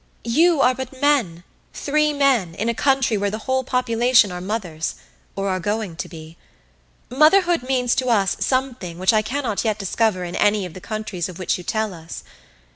You are but men, three men, in a country where the whole population are mothers or are going to be. Motherhood means to us something which I cannot yet discover in any of the countries of which you tell us.